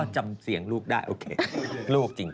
จำเสียงลูกได้โอเคโลกจริง